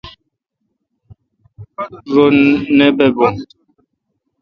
رو نہ بابھو۔